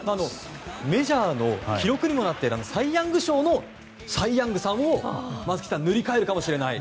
メジャーの記録にもなっているあのサイ・ヤング賞のサイ・ヤングさんを、松木さん塗り替えるかもしれない。